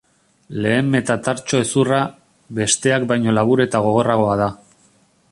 Lehen metatartso-hezurra, besteak baino labur eta gogorragoa da.